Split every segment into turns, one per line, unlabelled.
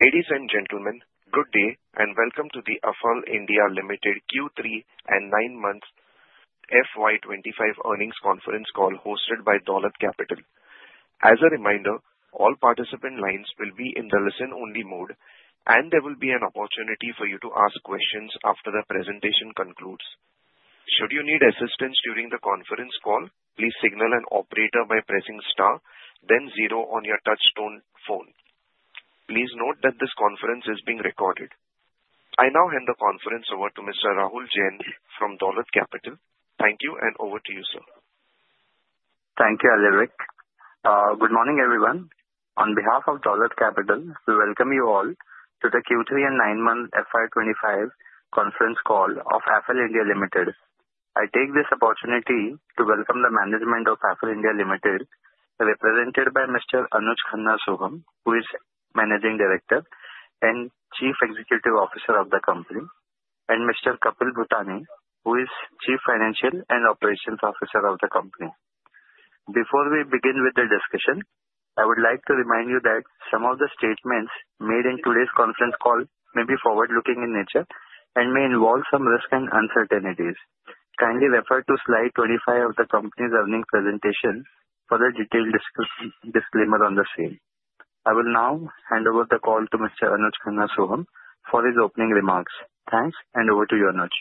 Ladies and gentlemen, good day and welcome to the Affle India Limited, Q3 and 9 Months FY25 Earnings Conference Call hosted by Dolat Capital. As a reminder, all participant lines will be in the listen-only mode, and there will be an opportunity for you to ask questions after the presentation concludes. Should you need assistance during the conference call, please signal an operator by pressing star, then zero on your touch-tone phone. Please note that this conference is being recorded. I now hand the conference over to Mr. Rahul Jain from Dolat Capital. Thank you, and over to you, sir.
Thank you, Olivia. Good morning, everyone. On behalf of Dolat Capital, we welcome you all to the Q3 and nine months FY25 conference call of Affle India Limited. I take this opportunity to welcome the management of Affle India Limited, represented by Mr. Anuj Khanna Sohum, who is Managing Director and Chief Executive Officer of the company, and Mr. Kapil Bhutani, who is Chief Financial and Operations Officer of the company. Before we begin with the discussion, I would like to remind you that some of the statements made in today's conference call may be forward-looking in nature and may involve some risk and uncertainties. Kindly refer to slide 25 of the company's earnings presentation for the detailed disclaimer on the same. I will now hand over the call to Mr. Anuj Khanna Sohum for his opening remarks. Thanks, and over to you, Anuj.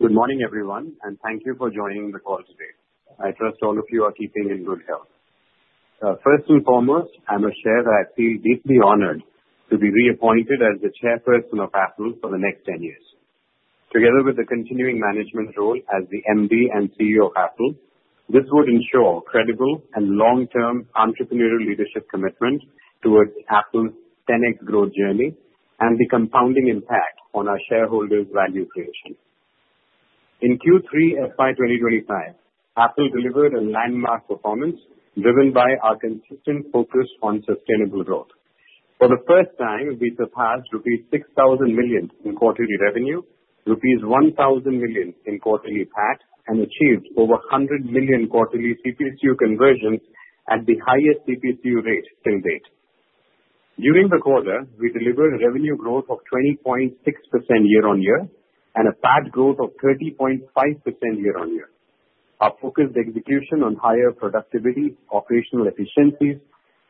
Good morning, everyone, and thank you for joining the call today. I trust all of you are keeping in good health. First and foremost, I must share that I feel deeply honored to be reappointed as the Chairperson of Affle for the next 10 years. Together with the continuing management role as the MD and CEO of Affle, this would ensure credible and long-term entrepreneurial leadership commitment towards Affle's 10x growth journey and the compounding impact on our shareholders' value creation. In Q3 FY 2025, Affle delivered a landmark performance driven by our consistent focus on sustainable growth. For the first time, we surpassed rupees 6,000 million in quarterly revenue, rupees 1,000 million in quarterly PAT, and achieved over 100 million quarterly CPCU conversions at the highest CPCU rate till date. During the quarter, we delivered revenue growth of 20.6% year-on-year and a PAT growth of 30.5% year-on-year. Our focused execution on higher productivity, operational efficiencies,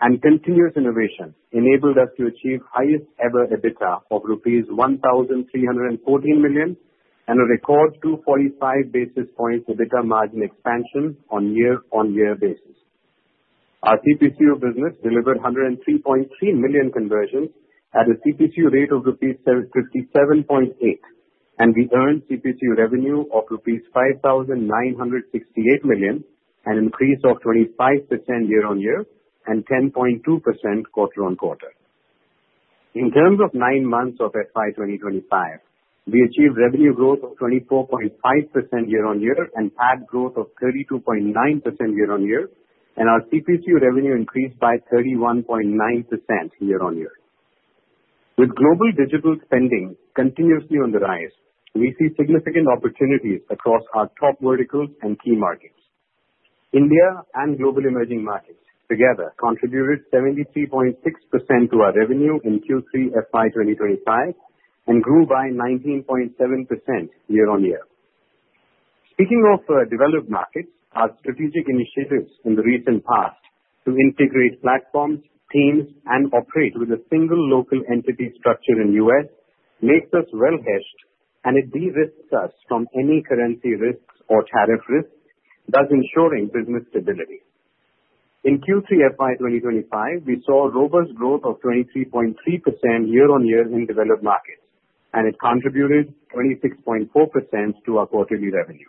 and continuous innovation enabled us to achieve the highest-ever EBITDA of rupees 1,314 million and a record 245 basis points EBITDA margin expansion on a year-on-year basis. Our CPCU business delivered 103.3 million conversions at a CPCU rate of rupees 57.8, and we earned CPCU revenue of rupees 5,968 million, an increase of 25% year-on-year and 10.2% quarter-on-quarter. In terms of nine months of FY 2025, we achieved revenue growth of 24.5% year-on-year and PAT growth of 32.9% year-on-year, and our CPCU revenue increased by 31.9% year-on-year. With global digital spending continuously on the rise, we see significant opportunities across our top verticals and key markets. India and global emerging markets together contributed 73.6% to our revenue in Q3 FY 2025 and grew by 19.7% year-on-year. Speaking of developed markets, our strategic initiatives in the recent past to integrate platforms, teams, and operate with a single local entity structure in the US makes us well-hedged, and it de-risked us from any currency risks or tariff risks, thus ensuring business stability. In Q3 FY 2025, we saw robust growth of 23.3% year-on-year in developed markets, and it contributed 26.4% to our quarterly revenue.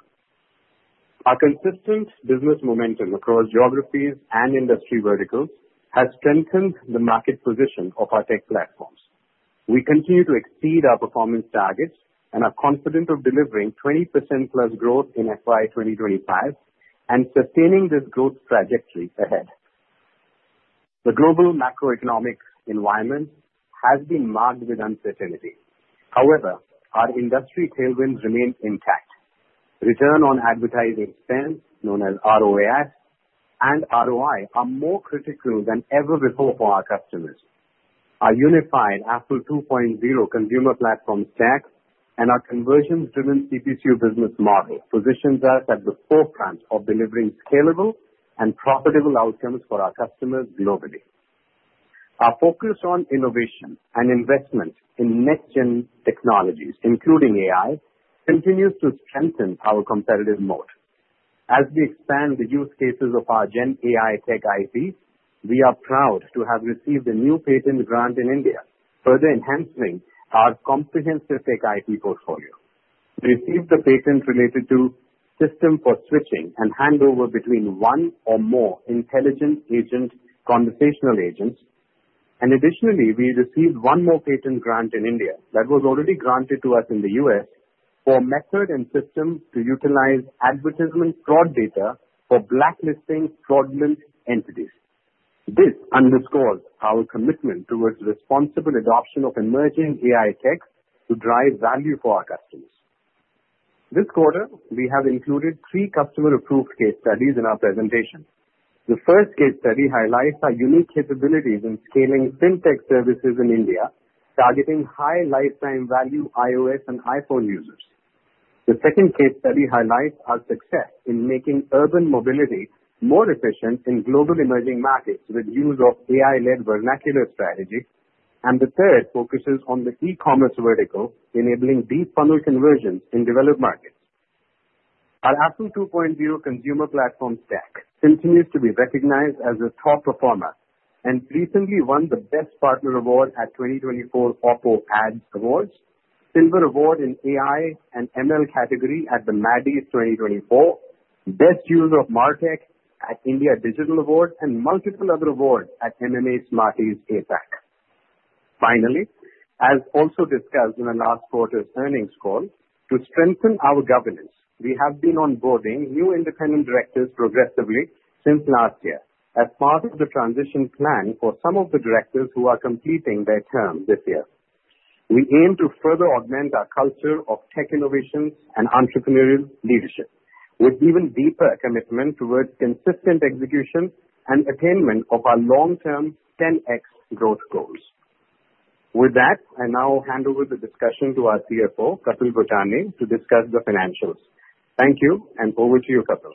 Our consistent business momentum across geographies and industry verticals has strengthened the market position of our tech platforms. We continue to exceed our performance targets and are confident of delivering 20% plus growth in FY 2025 and sustaining this growth trajectory ahead. The global macroeconomic environment has been marked with uncertainty. However, our industry tailwinds remain intact. Return on advertising spend, known as ROAS, and ROI are more critical than ever before for our customers. Our unified Affle 2.0 Consumer Platform Stack and our conversion-driven CPCU business model positions us at the forefront of delivering scalable and profitable outcomes for our customers globally. Our focus on innovation and investment in next-gen technologies, including AI, continues to strengthen our competitive moat. As we expand the use cases of our Gen AI tech IP, we are proud to have received a new patent grant in India, further enhancing our comprehensive tech IP portfolio. We received the patent related to system for switching and handover between one or more intelligent agent conversational agents. Additionally, we received one more patent grant in India that was already granted to us in the US for method and system to utilize advertisement fraud data for blacklisting fraudulent entities. This underscores our commitment towards responsible adoption of emerging AI tech to drive value for our customers. This quarter, we have included three customer-approved case studies in our presentation. The first case study highlights our unique capabilities in scaling fintech services in India, targeting high lifetime value iOS and iPhone users. The second case study highlights our success in making urban mobility more efficient in global emerging markets with the use of AI-led vernacular strategy. The third focuses on the e-commerce vertical, enabling deep funnel conversions in developed markets. Our Affle 2.0 Consumer Platform Stack continues to be recognized as a top performer and recently won the Best Partner Award at 2024 OPPO Ads Awards, Silver Award in AI and ML category at the Maddies 2024, Best Use of MarTech at India Digital Awards, and multiple other awards at MMA Smarties APAC. Finally, as also discussed in the last quarter's earnings call, to strengthen our governance, we have been onboarding new independent directors progressively since last year as part of the transition plan for some of the directors who are completing their term this year. We aim to further augment our culture of tech innovations and entrepreneurial leadership with even deeper commitment towards consistent execution and attainment of our long-term 10x growth goals. With that, I now hand over the discussion to our CFO, Kapil Bhutani, to discuss the financials. Thank you, and over to you, Kapil.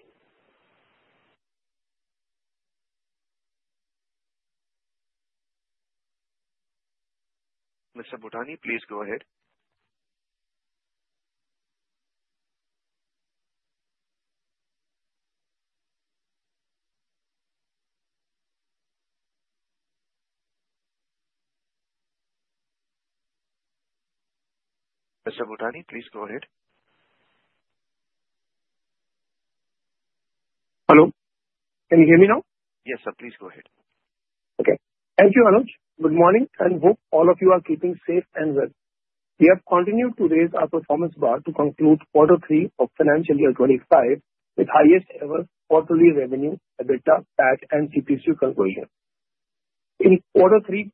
Mr. Bhutani, please go ahead.
Hello. Can you hear me now?
Yes, sir. Please go ahead.
Okay. Thank you, Anuj. Good morning, and hope all of you are keeping safe and well. We have continued to raise our performance bar to conclude Q3 of financial year 25 with the highest-ever quarterly revenue, EBITDA, PAT, and CPCU conversion. In Q3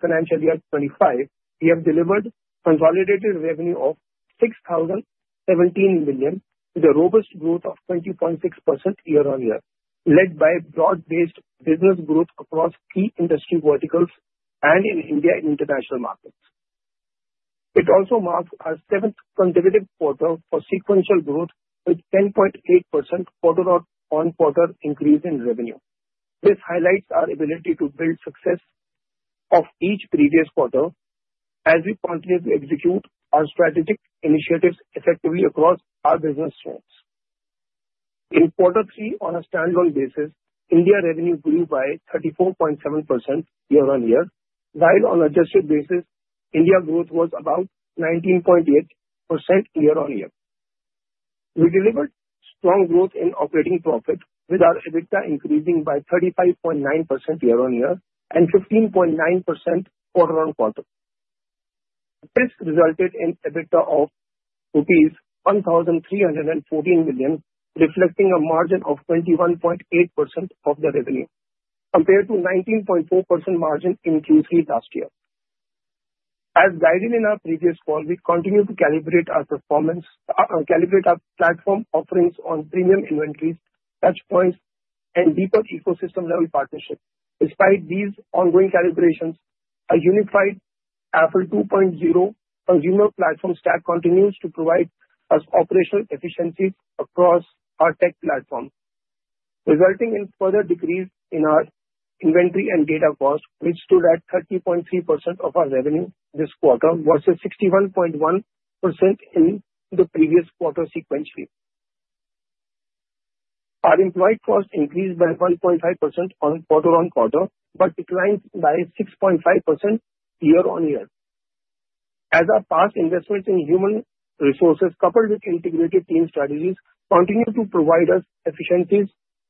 financial year 25, we have delivered consolidated revenue of 6,017 million with a robust growth of 20.6% year-on-year, led by broad-based business growth across key industry verticals and in India, international markets. It also marks our seventh consecutive quarter for sequential growth with a 10.8% quarter-on-quarter increase in revenue. This highlights our ability to build success off each previous quarter as we continue to execute our strategic initiatives effectively across our business strengths. In Q3, on a standalone basis, India revenue grew by 34.7% year-on-year, while on an adjusted basis, India growth was about 19.8% year-on-year. We delivered strong growth in operating profit with our EBITDA increasing by 35.9% year-on-year and 15.9% quarter-on-quarter. This resulted in EBITDA of rupees 1,314 million, reflecting a margin of 21.8% of the revenue, compared to a 19.4% margin in Q3 last year. As guided in our previous call, we continue to calibrate our platform offerings on premium inventories, touchpoints, and deeper ecosystem-level partnerships. Despite these ongoing calibrations, our unified Affle 2.0 Consumer Platform Stack continues to provide us operational efficiencies across our tech platform, resulting in a further decrease in our inventory and data cost, which stood at 30.3% of our revenue this quarter versus 61.1% in the previous quarter sequentially. Our employee cost increased by 1.5% quarter-on-quarter but declined by 6.5% year-on-year. As our past investments in human resources, coupled with integrated team strategies, continue to provide us efficiencies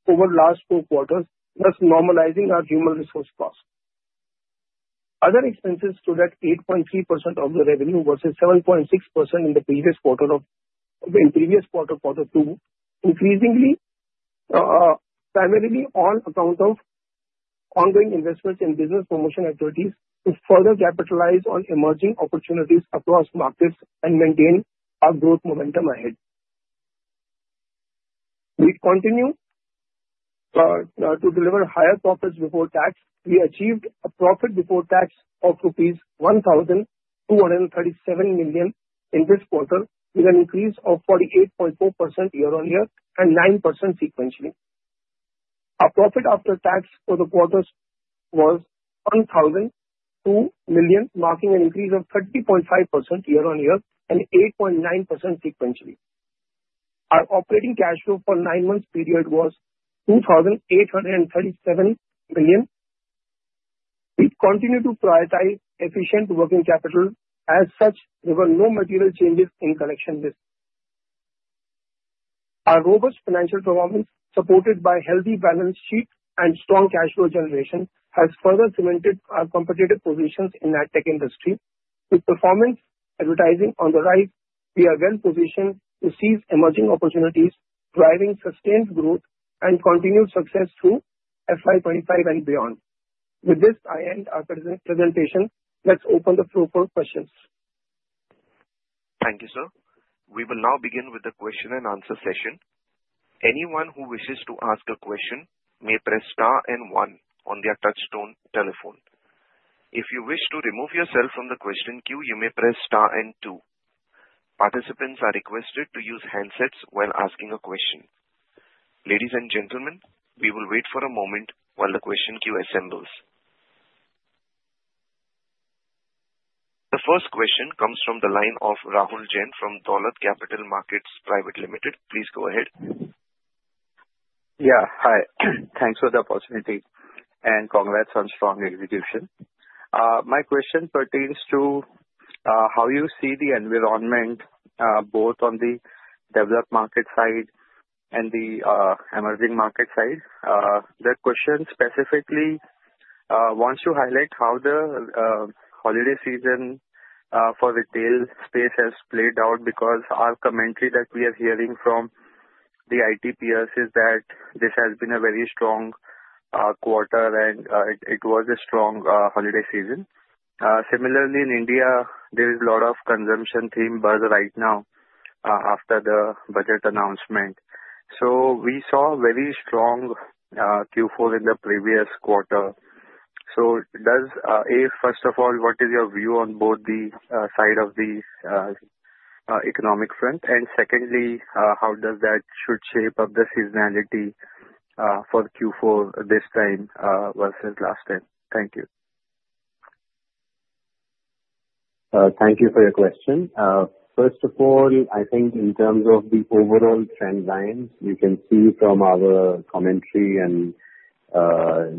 over the last four quarters, thus normalizing our human resource cost. Other expenses stood at 8.3% of the revenue versus 7.6% in the previous quarter of Q2, increasingly primarily on account of ongoing investments in business promotion activities to further capitalize on emerging opportunities across markets and maintain our growth momentum ahead. We continue to deliver higher profits before tax. We achieved a profit before tax of rupees 1,237 million in this quarter with an increase of 48.4% year-on-year and 9% sequentially. Our profit after tax for the quarters was 1,002 million, marking an increase of 30.5% year-on-year and 8.9% sequentially. Our operating cash flow for the nine-month period was 2,837 million. We continue to prioritize efficient working capital. As such, there were no material changes in collection days. Our robust financial performance, supported by a healthy balance sheet and strong cash flow generation, has further cemented our competitive positions in our tech industry. With performance advertising on the rise, we are well-positioned to seize emerging opportunities, driving sustained growth and continued success through FY 2025 and beyond. With this, I end our presentation. Let's open the floor for questions.
Thank you, sir. We will now begin with the question-and-answer session. Anyone who wishes to ask a question may press Star and 1 on their touch-tone telephone. If you wish to remove yourself from the question queue, you may press Star and 2. Participants are requested to use handsets while asking a question. Ladies and gentlemen, we will wait for a moment while the question queue assembles. The first question comes from the line of Rahul Jain from Dolat Capital Market Private Limited. Please go ahead.
Yeah, hi. Thanks for the opportunity and congrats on strong execution. My question pertains to how you see the environment both on the developed market side and the emerging market side. The question specifically wants to highlight how the holiday season for retail space has played out because our commentary that we are hearing from the IT peers is that this has been a very strong quarter and it was a strong holiday season. Similarly, in India, there is a lot of consumption theme buzz right now after the budget announcement. So we saw a very strong Q4 in the previous quarter. So does, first of all, what is your view on both the side of the economic front? And secondly, how does that should shape up the seasonality for Q4 this time versus last time? Thank you.
Thank you for your question. First of all, I think in terms of the overall trend lines, you can see from our commentary and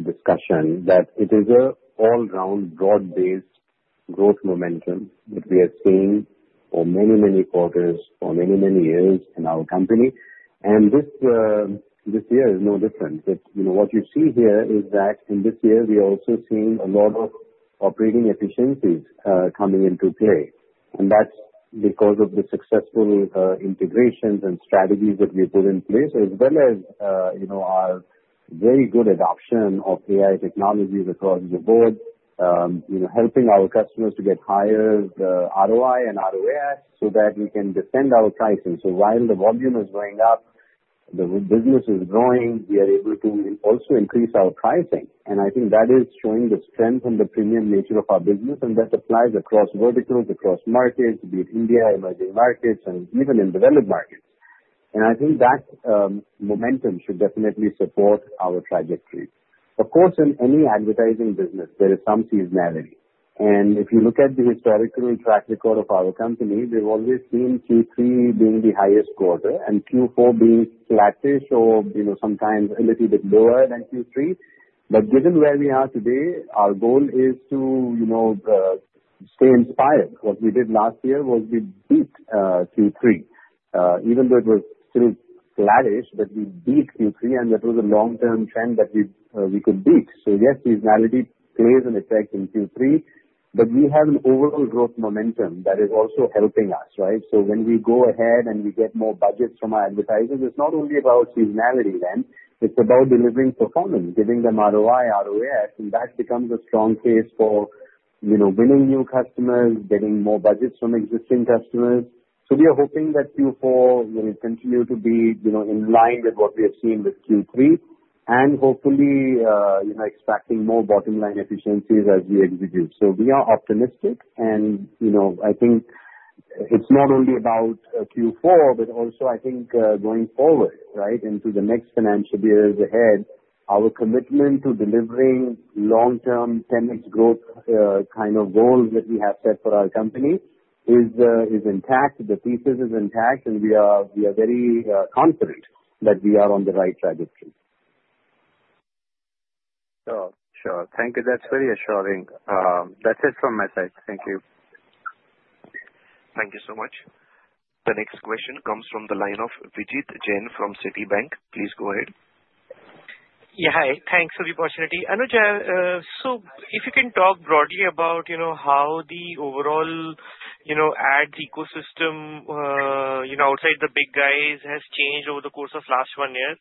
discussion that it is an all-round, broad-based growth momentum that we have seen for many, many quarters, for many, many years in our company, and this year is no different. What you see here is that in this year, we are also seeing a lot of operating efficiencies coming into play, and that's because of the successful integrations and strategies that we put in place, as well as our very good adoption of AI technologies across the board, helping our customers to get higher ROI and ROAS so that we can defend our pricing, so while the volume is going up, the business is growing, we are able to also increase our pricing. I think that is showing the strength and the premium nature of our business. That applies across verticals, across markets, be it India, emerging markets, and even in developed markets. I think that momentum should definitely support our trajectory. Of course, in any advertising business, there is some seasonality. If you look at the historical track record of our company, we've always seen Q3 being the highest quarter and Q4 being flattish or sometimes a little bit lower than Q3. Given where we are today, our goal is to stay inspired. What we did last year was we beat Q3. Even though it was still flattish, but we beat Q3. That was a long-term trend that we could beat. Yes, seasonality plays an effect in Q3, but we have an overall growth momentum that is also helping us, right? So when we go ahead and we get more budgets from our advertisers, it's not only about seasonality then. It's about delivering performance, giving them ROI, ROAS. And that becomes a strong case for winning new customers, getting more budgets from existing customers. So we are hoping that Q4 will continue to be in line with what we have seen with Q3 and hopefully expecting more bottom-line efficiencies as we execute. So we are optimistic. And I think it's not only about Q4, but also I think going forward, right, into the next financial years ahead, our commitment to delivering long-term 10x growth kind of goals that we have set for our company is intact. The thesis is intact. And we are very confident that we are on the right trajectory.
Sure. Sure. Thank you. That's very assuring. That's it from my side. Thank you.
Thank you so much. The next question comes from the line of Vijit Jain from Citibank. Please go ahead.
Yeah, hi. Thanks for the opportunity. Anuj, so if you can talk broadly about how the overall ads ecosystem outside the big guys has changed over the course of the last one year,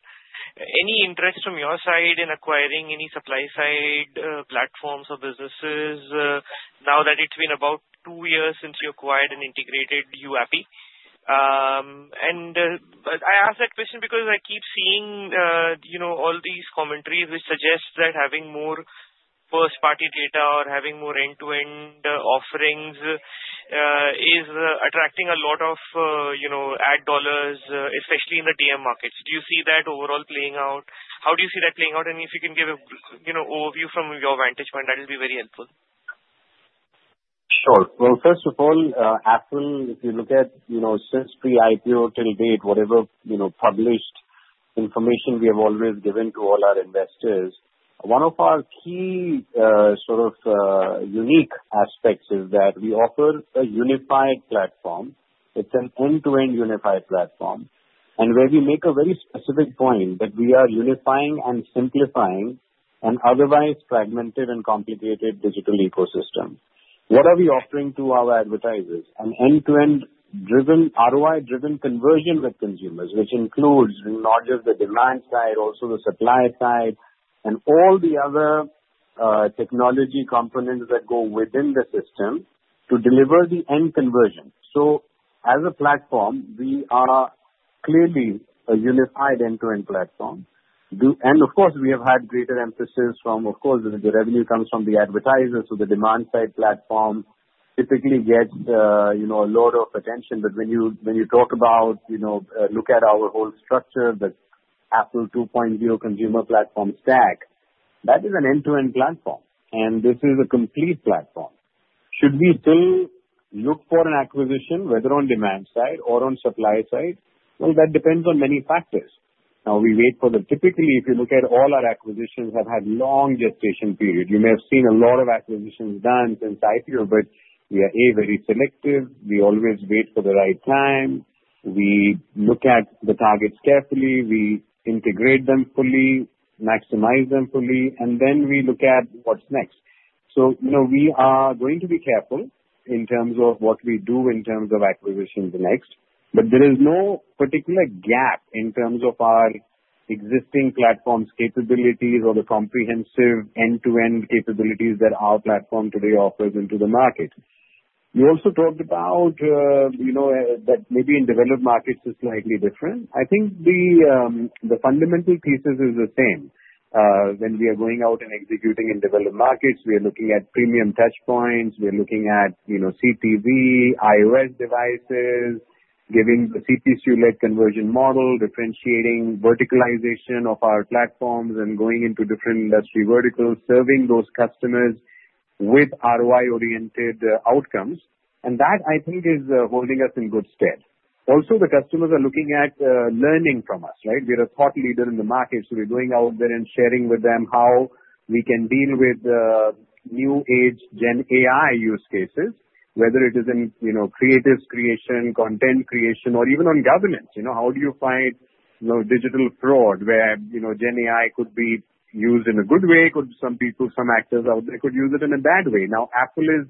any interest from your side in acquiring any supply-side platforms or businesses now that it's been about two years since you acquired and integrated YouAppi, and I ask that question because I keep seeing all these commentaries which suggest that having more first-party data or having more end-to-end offerings is attracting a lot of ad dollars, especially in the DM markets. Do you see that overall playing out? How do you see that playing out, and if you can give an overview from your vantage point, that will be very helpful.
Sure. Well, first of all, Affle, if you look at since pre-IPO till date, whatever published information we have always given to all our investors, one of our key sort of unique aspects is that we offer a unified platform. It's an end-to-end unified platform. And where we make a very specific point that we are unifying and simplifying an otherwise fragmented and complicated digital ecosystem. What are we offering to our advertisers? An end-to-end driven, ROI-driven conversion with consumers, which includes not just the demand side, also the supply side, and all the other technology components that go within the system to deliver the end conversion. So as a platform, we are clearly a unified end-to-end platform. And of course, we have had greater emphasis from, of course, the revenue comes from the advertisers. So the demand-side platform typically gets a lot of attention. When you talk about, look at our whole structure, the Affle 2.0 Consumer Platform Stack, that is an end-to-end platform. This is a complete platform. Should we still look for an acquisition, whether on demand side or on supply side? That depends on many factors. Now, typically, if you look at all our acquisitions have had long gestation periods. You may have seen a lot of acquisitions done since IPO, but we are very selective. We always wait for the right time. We look at the targets carefully. We integrate them fully, maximize them fully, and then we look at what's next. We are going to be careful in terms of what we do in terms of acquisitions next. But there is no particular gap in terms of our existing platform's capabilities or the comprehensive end-to-end capabilities that our platform today offers into the market. You also talked about that maybe in developed markets is slightly different. I think the fundamental thesis is the same. When we are going out and executing in developed markets, we are looking at premium touchpoints. We are looking at CTV, iOS devices, giving the CTV-led conversion model, differentiating verticalization of our platforms and going into different industry verticals, serving those customers with ROI-oriented outcomes. And that, I think, is holding us in good stead. Also, the customers are looking at learning from us, right? We are a thought leader in the market. We're going out there and sharing with them how we can deal with new age Gen AI use cases, whether it is in creative creation, content creation, or even on governance. How do you fight digital fraud where Gen AI could be used in a good way? Could some people, some actors out there could use it in a bad way? Now, Affle is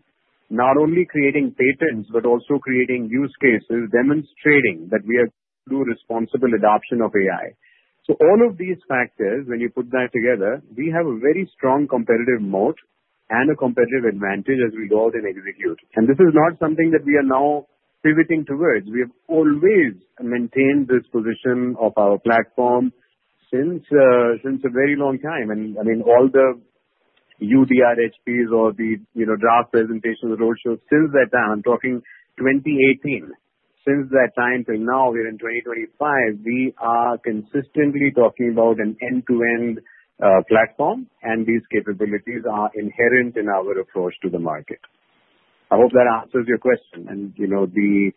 not only creating patents, but also creating use cases, demonstrating that we are doing responsible adoption of AI. So all of these factors, when you put that together, we have a very strong competitive moat and a competitive advantage as we go out and execute. And this is not something that we are now pivoting towards. We have always maintained this position of our platform since a very long time. And I mean, all the UDRHPs or the draft presentations, roadshows since that time, I'm talking 2018, since that time till now, we're in 2025, we are consistently talking about an end-to-end platform. And these capabilities are inherent in our approach to the market. I hope that answers your question and the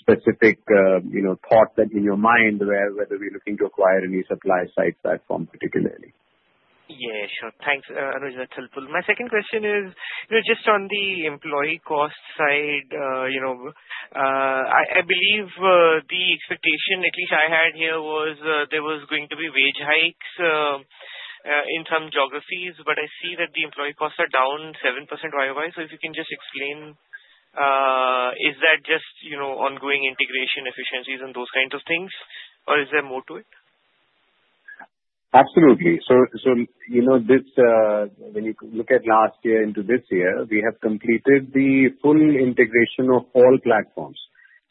specific thought that in your mind whether we're looking to acquire any supply-side platform particularly.
Yeah, sure. Thanks, Anuj Sohum. My second question is just on the employee cost side. I believe the expectation, at least I had here, was there was going to be wage hikes in some geographies, but I see that the employee costs are down 7% YOY. So if you can just explain, is that just ongoing integration efficiencies and those kinds of things, or is there more to it?
Absolutely. So when you look at last year into this year, we have completed the full integration of all platforms.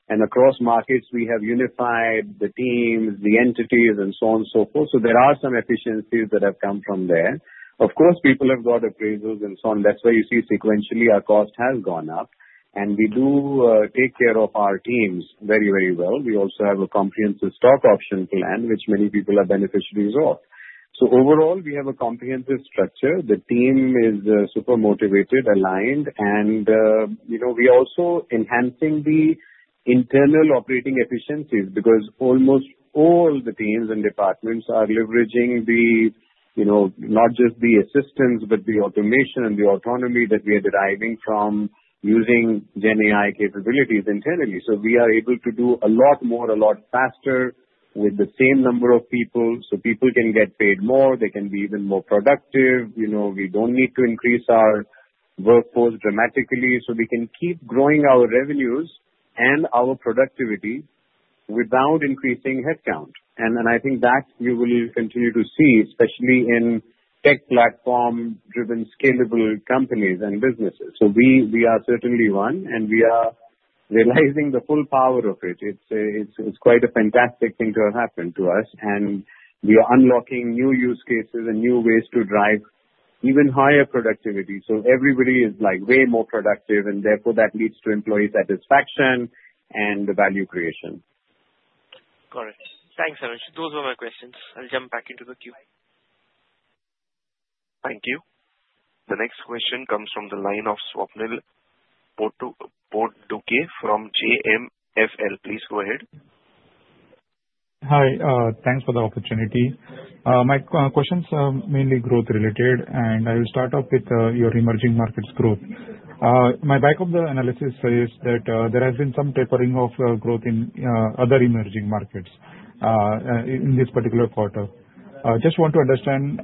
And across markets, we have unified the teams, the entities, and so on and so forth. So there are some efficiencies that have come from there. Of course, people have got appraisals and so on. That's where you see sequentially our cost has gone up. And we do take care of our teams very, very well. We also have a comprehensive stock option plan, which many people are beneficiaries of. So overall, we have a comprehensive structure. The team is super motivated, aligned. And we are also enhancing the internal operating efficiencies because almost all the teams and departments are leveraging not just the assistance, but the automation and the autonomy that we are deriving from using Gen AI capabilities internally. So we are able to do a lot more, a lot faster with the same number of people. So people can get paid more. They can be even more productive. We don't need to increase our workforce dramatically. So we can keep growing our revenues and our productivity without increasing headcount. And I think that you will continue to see, especially in tech platform-driven, scalable companies and businesses. So we are certainly one. And we are realizing the full power of it. It's quite a fantastic thing to have happened to us. And we are unlocking new use cases and new ways to drive even higher productivity. So everybody is way more productive. And therefore, that leads to employee satisfaction and value creation.
Got it. Thanks, Anuj. Those were my questions. I'll jump back into the queue.
Thank you. The next question comes from the line of Swapnil Potdukhe from JM Financial. Please go ahead.
Hi. Thanks for the opportunity. My questions are mainly growth-related. And I will start off with your emerging markets growth. My back-of-the-envelope analysis says that there has been some tapering of growth in other emerging markets in this particular quarter. Just want to understand,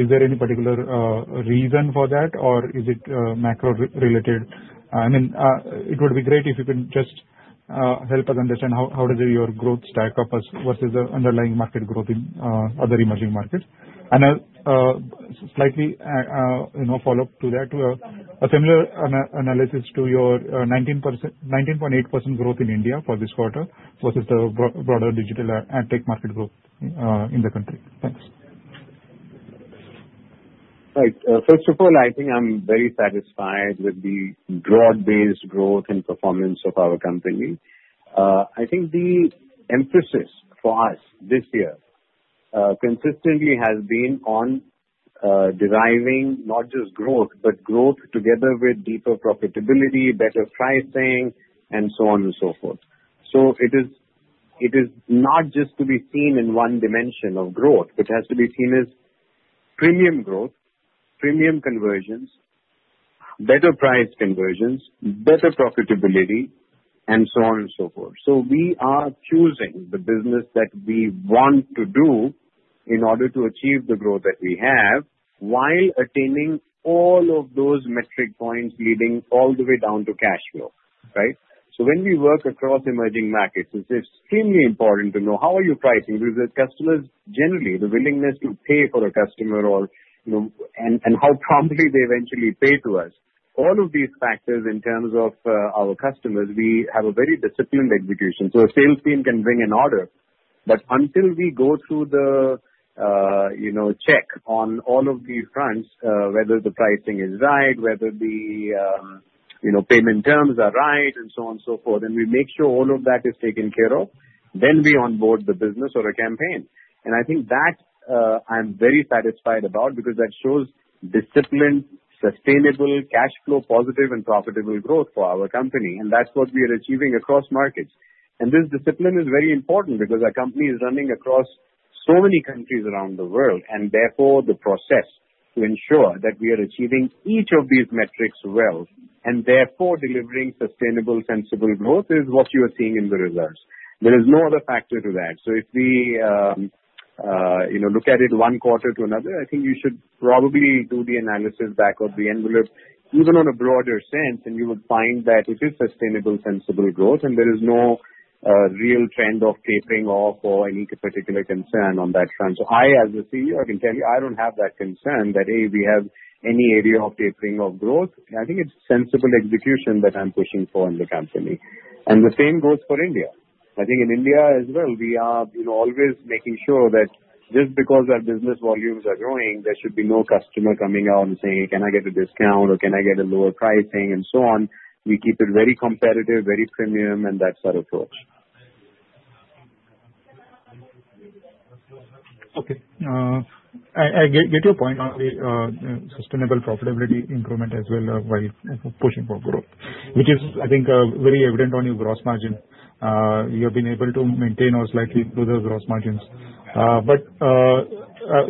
is there any particular reason for that, or is it macro-related? I mean, it would be great if you can just help us understand how does your growth stack up versus the underlying market growth in other emerging markets. And a slight follow-up to that, a similar analysis to your 19.8% growth in India for this quarter versus the broader digital and tech market growth in the country. Thanks.
Right. First of all, I think I'm very satisfied with the broad-based growth and performance of our company. I think the emphasis for us this year consistently has been on deriving not just growth, but growth together with deeper profitability, better pricing, and so on and so forth. So it is not just to be seen in one dimension of growth, but it has to be seen as premium growth, premium conversions, better price conversions, better profitability, and so on and so forth. So we are choosing the business that we want to do in order to achieve the growth that we have while attaining all of those metric points leading all the way down to cash flow, right? When we work across emerging markets, it's extremely important to know how are you pricing because the customers generally, the willingness to pay for a customer and how promptly they eventually pay to us, all of these factors in terms of our customers, we have a very disciplined execution. A sales team can bring an order, but until we go through the check on all of these fronts, whether the pricing is right, whether the payment terms are right, and so on and so forth, and we make sure all of that is taken care of, then we onboard the business or a campaign. I think that I'm very satisfied about because that shows disciplined, sustainable, cash flow positive, and profitable growth for our company. That's what we are achieving across markets. And this discipline is very important because our company is running across so many countries around the world. And therefore, the process to ensure that we are achieving each of these metrics well and therefore delivering sustainable, sensible growth is what you are seeing in the results. There is no other factor to that. So if we look at it one quarter to another, I think you should probably do the analysis back of the envelope even on a broader sense. And you will find that it is sustainable, sensible growth. And there is no real trend of tapering off or any particular concern on that front. So I, as a CEO, I can tell you I don't have that concern that, hey, we have any area of tapering of growth. I think it's sensible execution that I'm pushing for in the company. And the same goes for India. I think in India as well, we are always making sure that just because our business volumes are growing, there should be no customer coming out and saying, "Can I get a discount?" or "Can I get a lower pricing?" and so on. We keep it very competitive, very premium, and that sort of approach.
Okay. I get your point on the sustainable profitability improvement as well while pushing for growth, which is, I think, very evident on your gross margin. You have been able to maintain or slightly improve the gross margins. But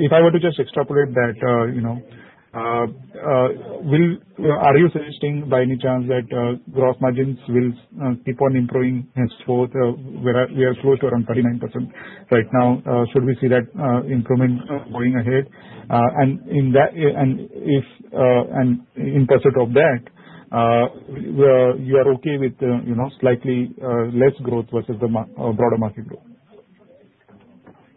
if I were to just extrapolate that, are you suggesting by any chance that gross margins will keep on improving henceforth? We are close to around 39% right now. Should we see that improvement going ahead? And in pursuit of that, you are okay with slightly less growth versus the broader market growth?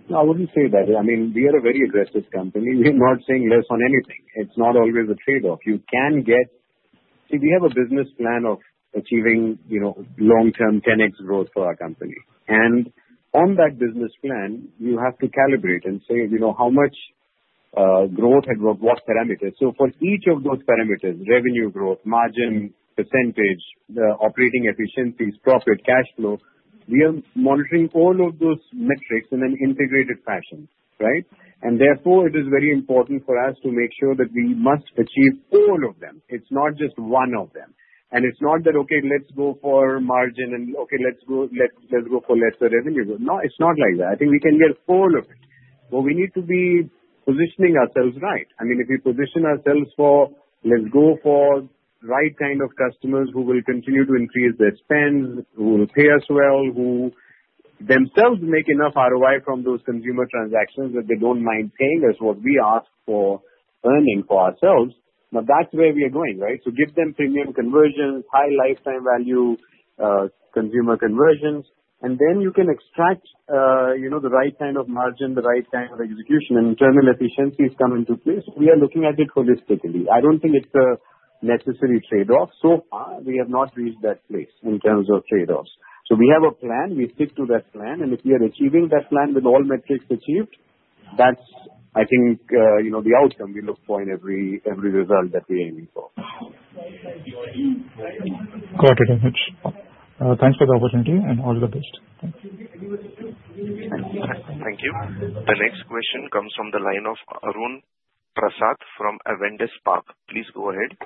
No, I wouldn't say that. I mean, we are a very aggressive company. We are not saying less on anything. It's not always a trade-off. You can see, we have a business plan of achieving long-term 10x growth for our company, and on that business plan, you have to calibrate and say how much growth and what parameters, so for each of those parameters, revenue growth, margin percentage, operating efficiencies, profit, cash flow, we are monitoring all of those metrics in an integrated fashion, right, and therefore, it is very important for us to make sure that we must achieve all of them. It's not just one of them, and it's not that, "Okay, let's go for margin," and, "Okay, let's go for lesser revenue." No, it's not like that. I think we can get all of it, but we need to be positioning ourselves right. I mean, if we position ourselves for, "Let's go for right kind of customers who will continue to increase their spend, who will pay us well, who themselves make enough ROI from those consumer transactions that they don't mind paying us what we ask for earning for ourselves," now that's where we are going, right, so give them premium conversions, high lifetime value consumer conversions, and then you can extract the right kind of margin, the right kind of execution, and internal efficiencies come into place. We are looking at it holistically. I don't think it's a necessary trade-off. So far, we have not reached that place in terms of trade-offs, so we have a plan. We stick to that plan, and if we are achieving that plan with all metrics achieved, that's, I think, the outcome we look for in every result that we're aiming for.
Got it, Anuj. Thanks for the opportunity and all the best. Thanks.
Thank you. The next question comes from the line of Arun Prasath from Avendus Spark. Please go ahead.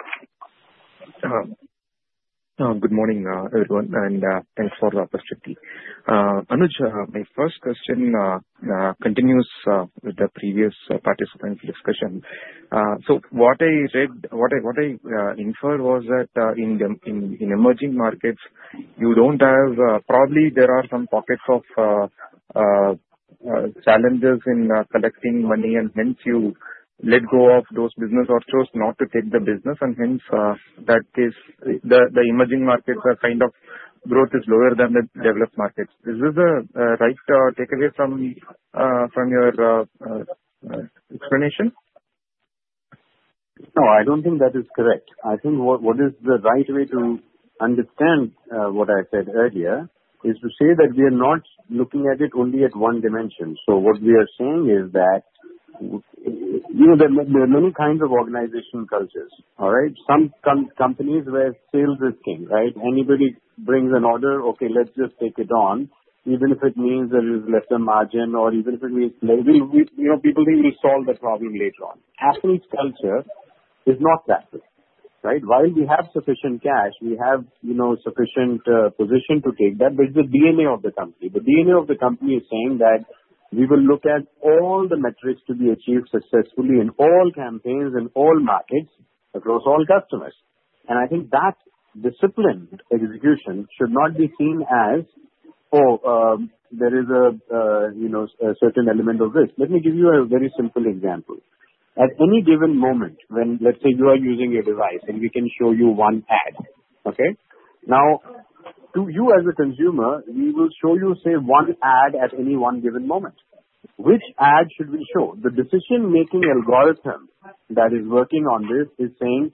Good morning, everyone, and thanks for the opportunity. Anuj, my first question continues with the previous participant discussion so what I read, what I inferred was that in emerging markets, you don't have probably there are some pockets of challenges in collecting money, and hence you let go of those business outcomes not to take the business and hence that is the emerging markets are kind of growth is lower than the developed markets. Is this a right takeaway from your explanation?
No, I don't think that is correct. I think what is the right way to understand what I said earlier is to say that we are not looking at it only at one dimension. So what we are saying is that there are many kinds of organization cultures, all right? Some companies where sales is king, right? Anybody brings an order, "Okay, let's just take it on," even if it means there is lesser margin or even if it means people think we'll solve the problem later on. Affle culture is not that way, right? While we have sufficient cash, we have sufficient position to take that. But it's the DNA of the company. The DNA of the company is saying that we will look at all the metrics to be achieved successfully in all campaigns in all markets across all customers. I think that disciplined execution should not be seen as, "Oh, there is a certain element of this." Let me give you a very simple example. At any given moment, when let's say you are using a device and we can show you one ad, okay? Now, to you as a consumer, we will show you, say, one ad at any one given moment. Which ad should we show? The decision-making algorithm that is working on this is saying,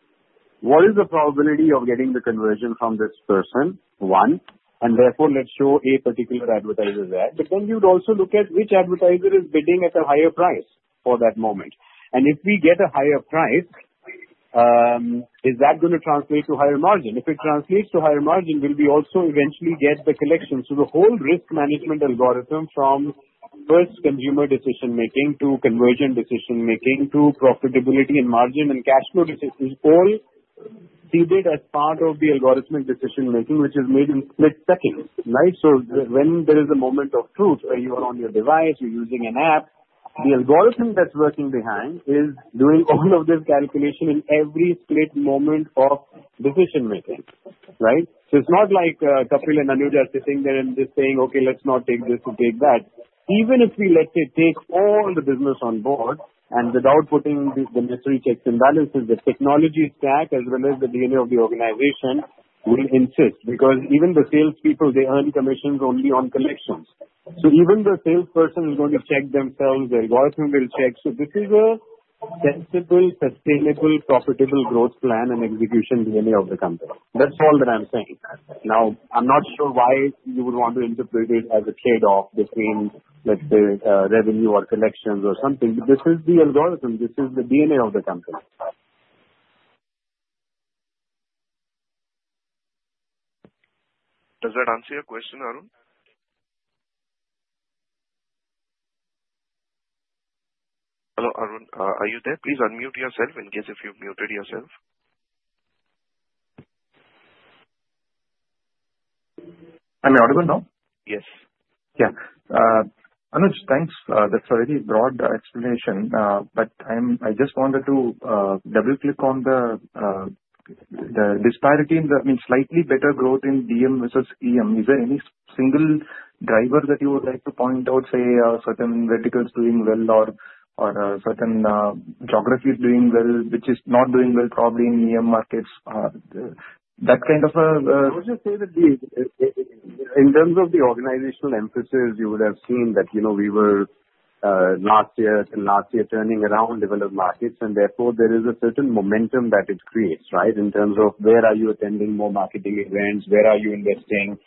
"What is the probability of getting the conversion from this person?" One. And therefore, let's show a particular advertiser's ad. But then you'd also look at which advertiser is bidding at a higher price for that moment. And if we get a higher price, is that going to translate to higher margin? If it translates to higher margin, will we also eventually get the collection? So the whole risk management algorithm from first consumer decision-making to conversion decision-making to profitability and margin and cash flow decision is all seeded as part of the algorithmic decision-making, which is made in split seconds, right? So when there is a moment of truth where you are on your device, you're using an app, the algorithm that's working behind is doing all of this calculation in every split moment of decision-making, right? So it's not like Kapil and Anuj are sitting there and just saying, "Okay, let's not take this and take that." Even if we, let's say, take all the business on board and without putting the necessary checks and balances, the technology stack as well as the DNA of the organization will insist because even the salespeople, they earn commissions only on collections. So even the salesperson is going to check themselves. The algorithm will check. So this is a sensible, sustainable, profitable growth plan and execution DNA of the company. That's all that I'm saying. Now, I'm not sure why you would want to interpret it as a trade-off between, let's say, revenue or collections or something. But this is the algorithm. This is the DNA of the company.
Does that answer your question, Arun? Hello, Arun. Are you there? Please unmute yourself in case if you've muted yourself.
I'm audible now?
Yes.
Yeah. Anuj, thanks. That's a very broad explanation. But I just wanted to double-click on the disparity in the, I mean, slightly better growth in DM versus EM. Is there any single driver that you would like to point out, say, certain verticals doing well or certain geographies doing well, which is not doing well probably in EM markets? That kind of a.
I would just say that in terms of the organizational emphasis, you would have seen that we were last year turning around developed markets, and therefore there is a certain momentum that it creates, right, in terms of where are you attending more marketing events, where are you investing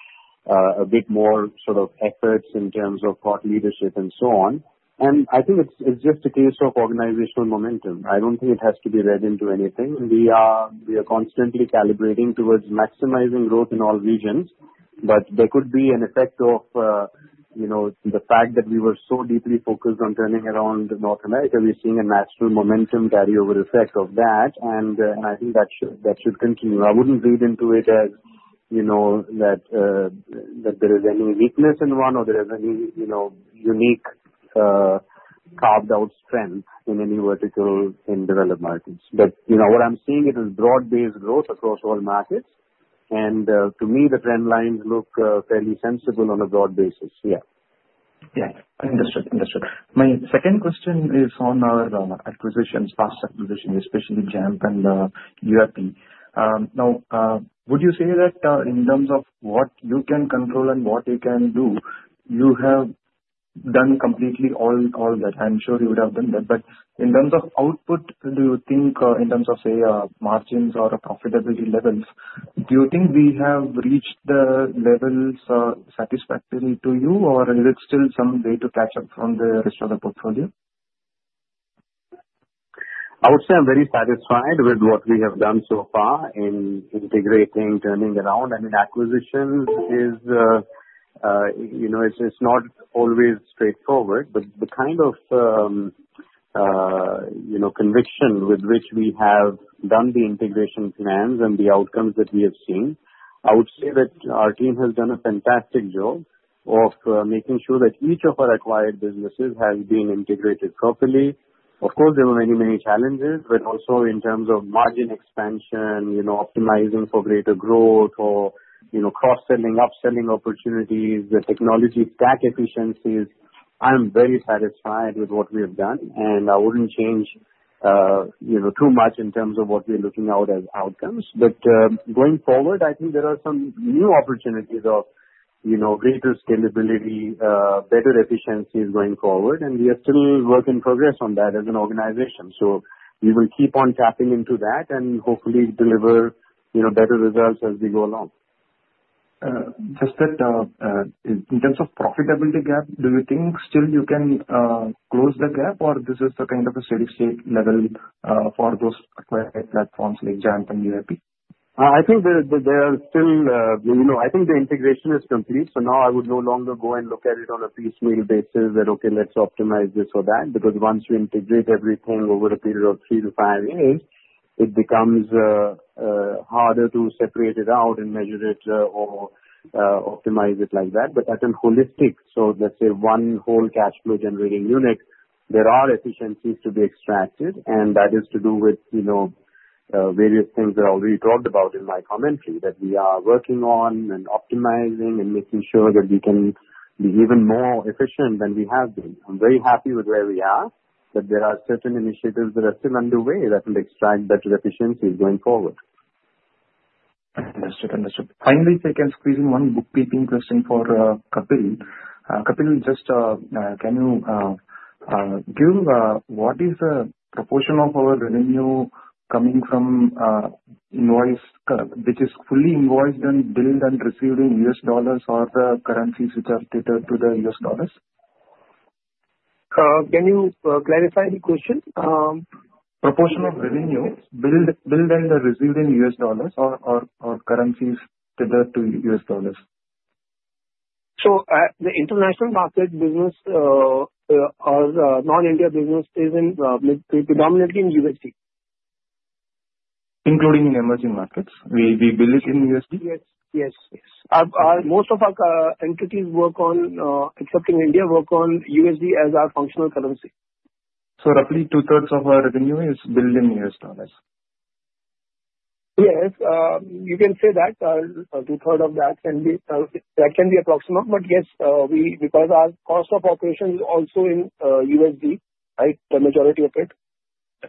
a bit more sort of efforts in terms of thought leadership and so on, and I think it's just a case of organizational momentum. I don't think it has to be read into anything. We are constantly calibrating towards maximizing growth in all regions, but there could be an effect of the fact that we were so deeply focused on turning around North America. We're seeing a natural momentum carryover effect of that, and I think that should continue. I wouldn't read into it as that there is any weakness in one or there is any unique carved-out strength in any vertical in developed markets. But what I'm seeing, it is broad-based growth across all markets. And to me, the trend lines look fairly sensible on a broad basis. Yeah.
Yeah. Understood. Understood. My second question is on our acquisitions, past acquisitions, especially Jampp and YouAppi. Now, would you say that in terms of what you can control and what you can do, you have done completely all that? I'm sure you would have done that. But in terms of output, do you think in terms of, say, margins or profitability levels, do you think we have reached the levels satisfactory to you, or is it still some way to catch up from the rest of the portfolio?
I would say I'm very satisfied with what we have done so far in integrating, turning around acquisitions. I mean, it's not always straightforward. But the kind of conviction with which we have done the integration plans and the outcomes that we have seen, I would say that our team has done a fantastic job of making sure that each of our acquired businesses has been integrated properly. Of course, there were many, many challenges, but also in terms of margin expansion, optimizing for greater growth, or cross-selling, upselling opportunities, the technology stack efficiencies. I'm very satisfied with what we have done. And I wouldn't change too much in terms of what we're looking out as outcomes. But going forward, I think there are some new opportunities of greater scalability, better efficiencies going forward. And we are still work in progress on that as an organization. We will keep on tapping into that and hopefully deliver better results as we go along.
Just that in terms of profitability gap, do you think still you can close the gap, or this is the kind of a steady-state level for those acquired platforms like Jampp and YouAppi?
I think there are still. I think the integration is complete. So now I would no longer go and look at it on a piecemeal basis that, "Okay, let's optimize this or that," because once you integrate everything over a period of three to five years, it becomes harder to separate it out and measure it or optimize it like that. But at a holistic, so let's say one whole cash flow generating unit, there are efficiencies to be extracted. And that is to do with various things that I already talked about in my commentary that we are working on and optimizing and making sure that we can be even more efficient than we have been. I'm very happy with where we are, but there are certain initiatives that are still underway that will extract better efficiencies going forward.
Understood. Understood. Finally, take and squeeze in one bookkeeping question for Kapil. Kapil, just can you give what is the proportion of our revenue coming from invoice, which is fully invoiced and billed and received in US dollars or the currencies which are tethered to the US dollars?
Can you clarify the question?
Proportion of revenue billed and received in US dollars or currencies tethered to US dollars?
So the international market business or non-India business is predominantly in USD.
Including in emerging markets? We bill it in USD?
Yes. Most of our entities work on USD except in India, work on Rs. as our functional currency.
So roughly two-thirds of our revenue is billed in US dollars?
Yes. You can say that. Two-thirds of that can be approximate. But yes, because our cost of operation is also in USD, right, the majority of it.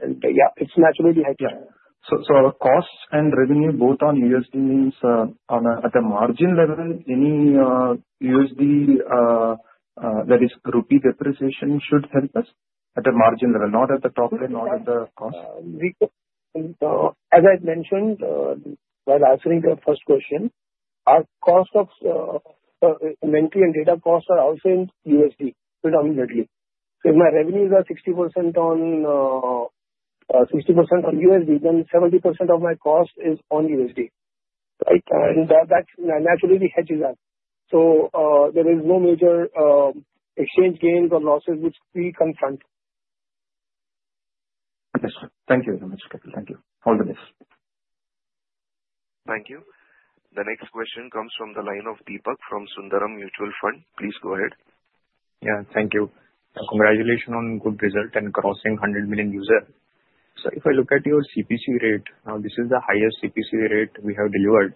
And yeah, it's naturally high.
Yeah. So cost and revenue both on USD means at a margin level, any USD that is rupee depreciation should help us at a margin level, not at the top end, not at the cost?
As I mentioned while answering your first question, our cost of entry and data costs are also in USD predominantly. If my revenues are 60% on USD, then 70% of my cost is on USD, right? And that naturally hedges us. So there is no major exchange gains or losses which we confront.
Understood. Thank you, Anuj. Thank you. All the best.
Thank you. The next question comes from the line of Deepak from Sundaram Mutual Fund. Please go ahead.
Yeah. Thank you. Congratulations on good result and crossing 100 million users. So if I look at your CPC rate, now this is the highest CPC rate we have delivered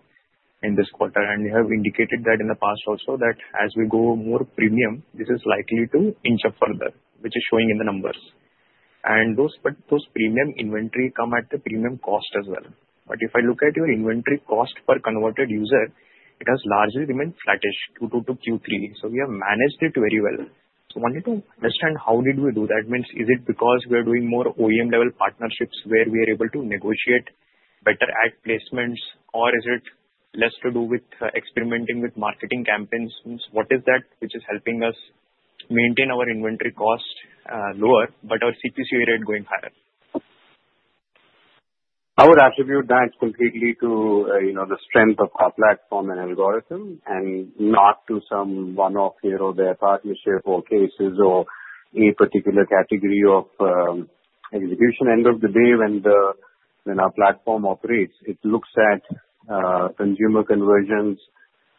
in this quarter, and we have indicated that in the past also that as we go more premium, this is likely to inch up further, which is showing in the numbers, and those premium inventory come at the premium cost as well. But if I look at your inventory cost per converted user, it has largely remained flattish, Q2 to Q3. So we have managed it very well. So I wanted to understand how did we do that? I mean, is it because we are doing more OEM-level partnerships where we are able to negotiate better ad placements, or is it less to do with experimenting with marketing campaigns? What is that which is helping us maintain our inventory cost lower but our CPC rate going higher?
I would attribute that completely to the strength of our platform and algorithm and not to some one-off here or there partnership or cases or a particular category of execution. End of the day, when our platform operates, it looks at consumer conversions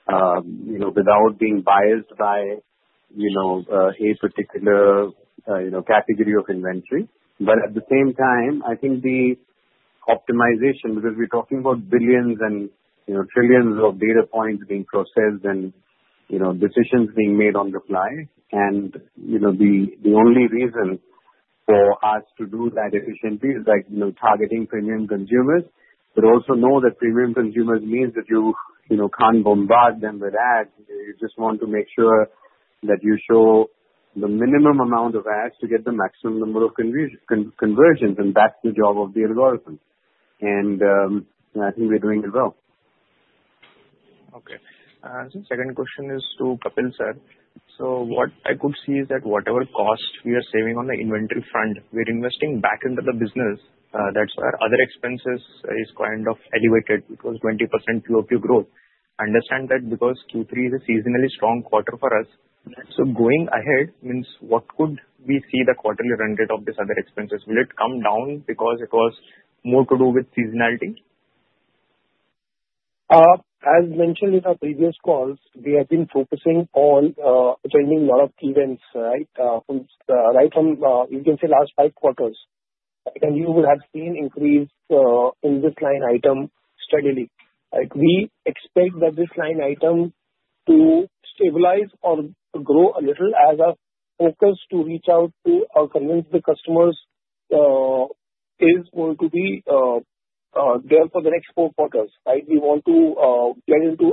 without being biased by a particular category of inventory, but at the same time, I think the optimization, because we're talking about billions and trillions of data points being processed and decisions being made on the fly, and the only reason for us to do that efficiently is targeting premium consumers, but also know that premium consumers means that you can't bombard them with ads. You just want to make sure that you show the minimum amount of ads to get the maximum number of conversions, and that's the job of the algorithm, and I think we're doing it well.
Okay. The second question is to Kapil, sir. So what I could see is that whatever cost we are saving on the inventory front, we're investing back into the business. That's why other expenses is kind of elevated because 20% QoQ growth. Understand that because Q3 is a seasonally strong quarter for us. So going ahead means what could we see the quarterly run rate of these other expenses? Will it come down because it was more to do with seasonality?
As mentioned in our previous calls, we have been focusing on attending a lot of events, right, from, you can say, last five quarters, and you would have seen increase in this line item steadily. We expect that this line item to stabilize or grow a little as our focus to reach out to or convince the customers is going to be there for the next four quarters, right? We want to get into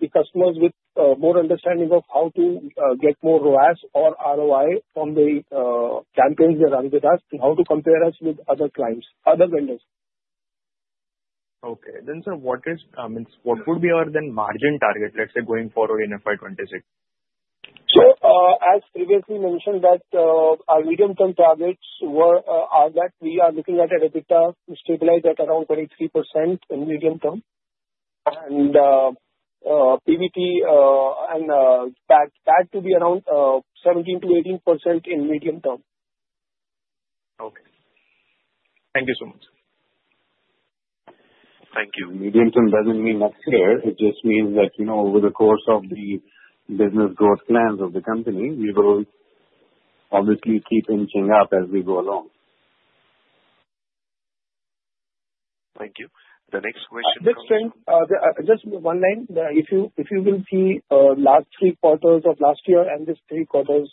the customers with more understanding of how to get more ROAS or ROI from the campaigns they run with us and how to compare us with other clients, other vendors.
Okay. Then, sir, what would be our then margin target, let's say, going forward in FY 26?
As previously mentioned, that our medium-term targets are that we are looking at a bit of stabilize at around 23% in medium term. PAT and that to be around 17% to 18% in medium term.
Okay. Thank you so much.
Thank you.
Medium term doesn't mean next year. It just means that over the course of the business growth plans of the company, we will obviously keep inching up as we go along.
Thank you. The next question.
At this point, just one line. If you will see last three quarters of last year and this three quarters,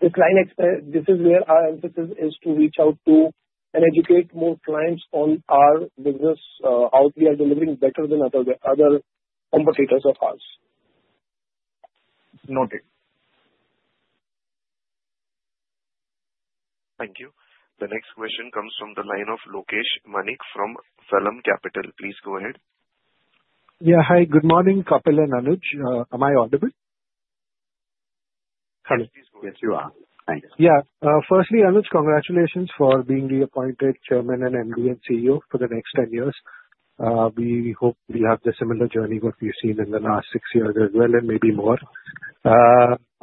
this line expense, this is where our emphasis is to reach out to and educate more clients on our business, how we are delivering better than other competitors of ours.
Noted. Thank you. The next question comes from the line of Lokesh Manik from Vallum Capital. Please go ahead.
Yeah. Hi. Good morning, Kapil and Anuj. Am I audible?
Hello. Yes, you are. Thanks.
Yeah. Firstly, Anuj, congratulations for being reappointed Chairman and MD and CEO for the next 10 years. We hope we have the similar journey what we've seen in the last six years as well and maybe more.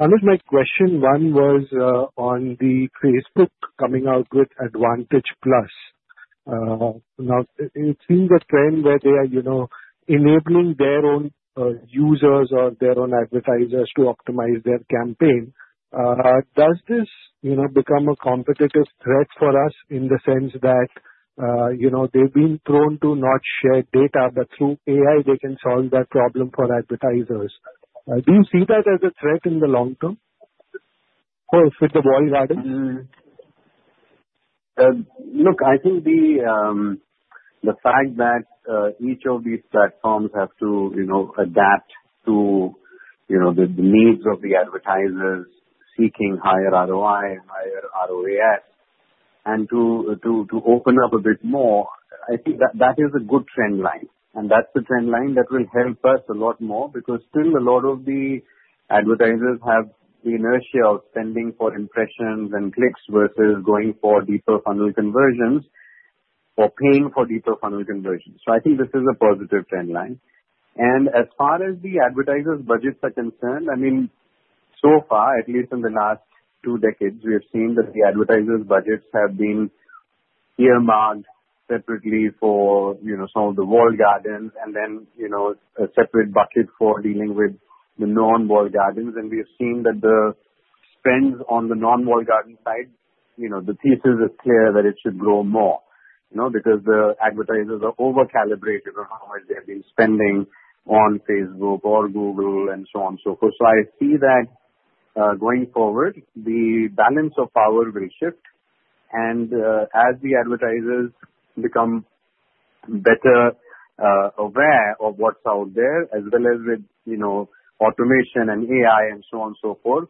Anuj, my question one was on the Facebook coming out with Advantage+. Now, it seems a trend where they are enabling their own users or their own advertisers to optimize their campaign. Does this become a competitive threat for us in the sense that they've been trying to not share data, but through AI, they can solve that problem for advertisers? Do you see that as a threat in the long term or if with the walled garden?
Look, I think the fact that each of these platforms have to adapt to the needs of the advertisers seeking higher ROI and higher ROAS and to open up a bit more. I think that is a good trend line. That's the trend line that will help us a lot more because still a lot of the advertisers have the inertia of spending for impressions and clicks versus going for deeper funnel conversions or paying for deeper funnel conversions. I think this is a positive trend line. As far as the advertisers' budgets are concerned, I mean, so far, at least in the last two decades, we have seen that the advertisers' budgets have been earmarked separately for some of the walled gardens and then a separate bucket for dealing with the non-walled gardens. And we have seen that the spends on the non-walled garden side, the thesis is clear that it should grow more because the advertisers are over-calibrated on how much they have been spending on Facebook or Google and so on and so forth. So I see that going forward, the balance of power will shift. And as the advertisers become better aware of what's out there, as well as with automation and AI and so on and so forth,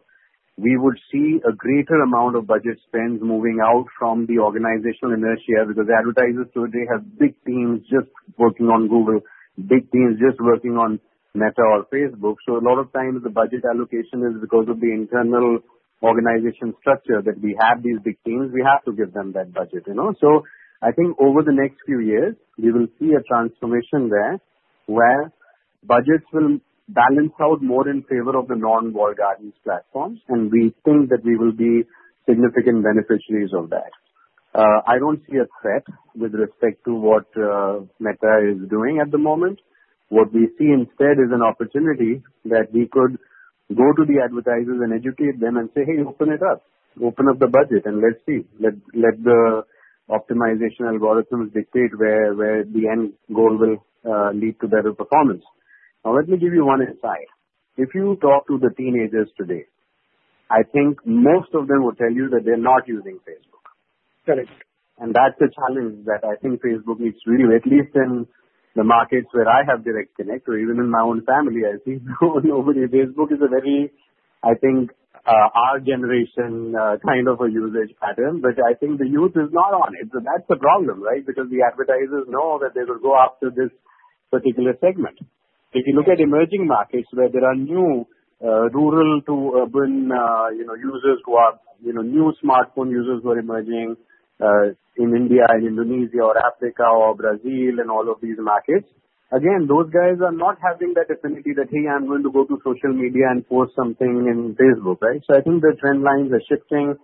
we would see a greater amount of budget spends moving out from the organizational inertia because the advertisers today have big teams just working on Google, big teams just working on Meta or Facebook. So a lot of times, the budget allocation is because of the internal organization structure that we have these big teams. We have to give them that budget. So I think over the next few years, we will see a transformation there where budgets will balance out more in favor of the non-walled gardens platforms. And we think that we will be significant beneficiaries of that. I don't see a threat with respect to what Meta is doing at the moment. What we see instead is an opportunity that we could go to the advertisers and educate them and say, "Hey, open it up. Open up the budget and let's see. Let the optimization algorithms dictate where the end goal will lead to better performance." Now, let me give you one insight. If you talk to the teenagers today, I think most of them will tell you that they're not using Facebook. And that's the challenge that I think Facebook needs to relieve, at least in the markets where I have direct connection. Even in my own family, I see nobody on Facebook is a very, I think, our generation kind of a usage pattern. But I think the youth is not on it. So that's the problem, right? Because the advertisers know that they will go after this particular segment. If you look at emerging markets where there are new rural to urban users who are new smartphone users who are emerging in India and Indonesia or Africa or Brazil and all of these markets, again, those guys are not having that affinity that, "Hey, I'm going to go to social media and post something on Facebook," right? So I think the trend lines are shifting,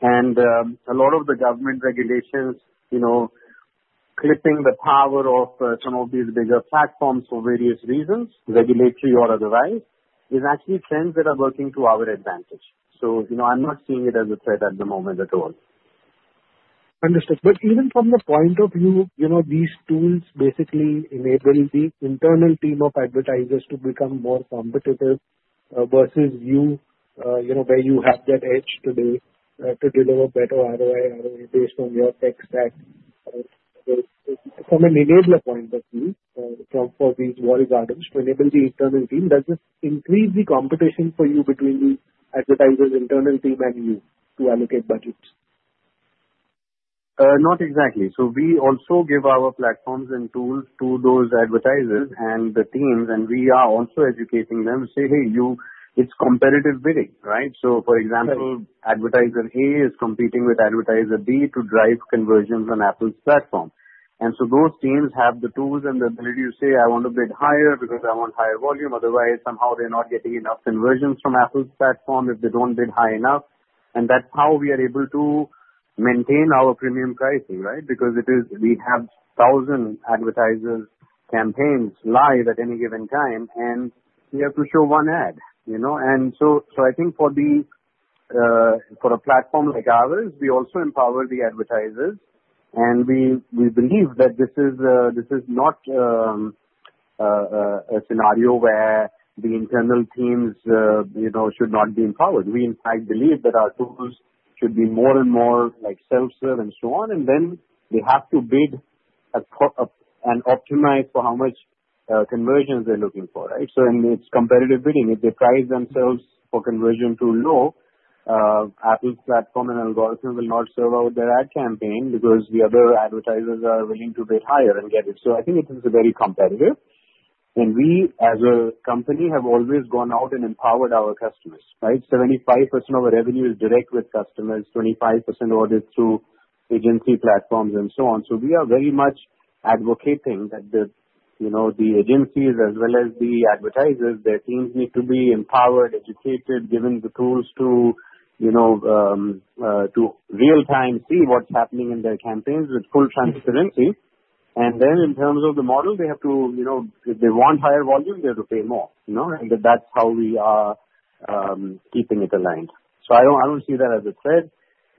and a lot of the government regulations clipping the power of some of these bigger platforms for various reasons, regulatory or otherwise, is actually trends that are working to our advantage. I'm not seeing it as a threat at the moment at all.
Understood, but even from the point of view, these tools basically enable the internal team of advertisers to become more competitive versus you, where you have that edge today to deliver better ROI based on your tech stack. From an enabler point of view, for these walled gardens, to enable the internal team, does this increase the competition for you between the advertisers' internal team and you to allocate budgets?
Not exactly. So we also give our platforms and tools to those advertisers and the teams. And we are also educating them to say, "Hey, it's competitive bidding," right? So for example, advertiser A is competing with advertiser B to drive conversions on Apple's platform. And so those teams have the tools and the ability to say, "I want to bid higher because I want higher volume." Otherwise, somehow they're not getting enough conversions from Apple's platform if they don't bid high enough. And that's how we are able to maintain our premium pricing, right? Because we have 1,000 advertisers' campaigns live at any given time, and we have to show one ad. And so I think for a platform like ours, we also empower the advertisers. And we believe that this is not a scenario where the internal teams should not be empowered. We, in fact, believe that our tools should be more and more self-serve and so on. And then they have to bid and optimize for how much conversions they're looking for, right? So in its competitive bidding, if they price themselves for conversion too low, Apple's platform and algorithm will not serve out their ad campaign because the other advertisers are willing to bid higher and get it. So I think it is very competitive. And we, as a company, have always gone out and empowered our customers, right? 75% of our revenue is direct with customers, 25% of it through agency platforms and so on. So we are very much advocating that the agencies, as well as the advertisers, their teams need to be empowered, educated, given the tools to real-time see what's happening in their campaigns with full transparency. And then in terms of the model, they have to, if they want higher volume, they have to pay more. And that's how we are keeping it aligned. So I don't see that as a threat.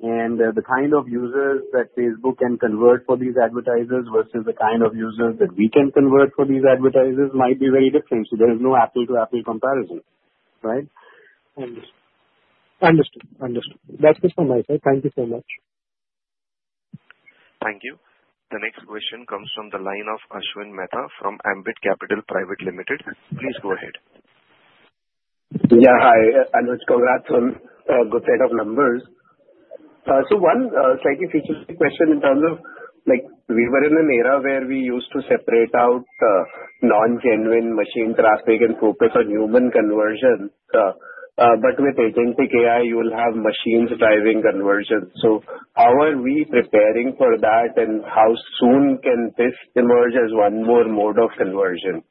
And the kind of users that Facebook can convert for these advertisers versus the kind of users that we can convert for these advertisers might be very different. So there is no apples-to-apples comparison, right?
Understood. Understood. That's it from my side. Thank you so much.
Thank you. The next question comes from the line of Ashwin Mehta from Ambit Capital Private Limited. Please go ahead.
Yeah. Hi. Anuj, congrats on a good set of numbers. So one slightly future question in terms of we were in an era where we used to separate out non-genuine machine traffic and focus on human conversion. But with Agentic AI, you will have machines driving conversion. So how are we preparing for that, and how soon can this emerge as one more mode of conversion?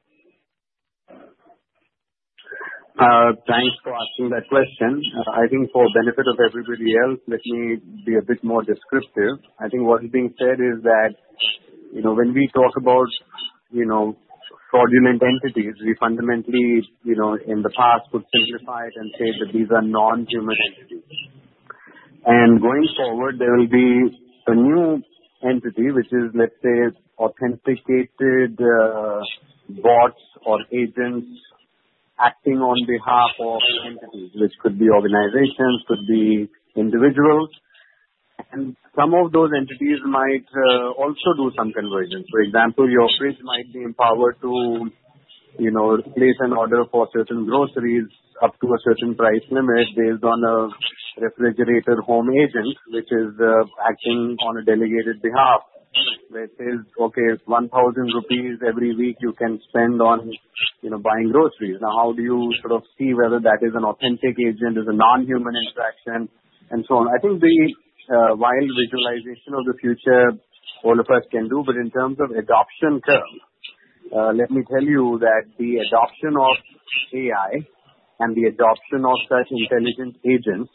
Thanks for asking that question. I think for the benefit of everybody else, let me be a bit more descriptive. I think what is being said is that when we talk about fraudulent entities, we fundamentally, in the past, would simplify it and say that these are non-human entities, and going forward, there will be a new entity, which is, let's say, authenticated bots or agents acting on behalf of entities, which could be organizations, could be individuals. And some of those entities might also do some conversions. For example, your fridge might be empowered to place an order for certain groceries up to a certain price limit based on a refrigerator home agent, which is acting on a delegated behalf, where it says, "Okay, it's 1,000 rupees every week you can spend on buying groceries." Now, how do you sort of see whether that is an authentic agent, is a non-human interaction, and so on? I think the wild visualization of the future all of us can do. But in terms of adoption curve, let me tell you that the adoption of AI and the adoption of such intelligent agents